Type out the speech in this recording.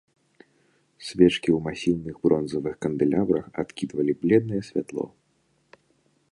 Свечкі ў масіўных бронзавых кандэлябрах адкідвалі бледнае святло.